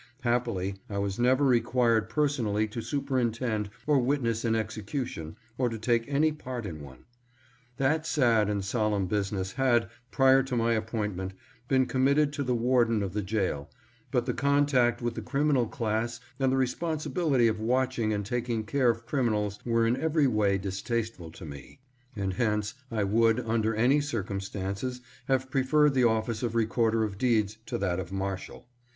Happily, I was never required personally to superintend or witness an execution or to take any part in one. That sad and sol emn business had, prior to my appointment, been com mitted to the warden of the jail, but the contact with the criminal class and the responsibility of watching and taking care of criminals were in every way distasteful to me, and hence I would, under any circumstances, have preferred the office of Recorder of Deeds to that of Mar shal.